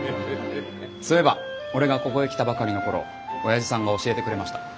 そういえば俺がここへ来たばかりの頃おやじさんが教えてくれました。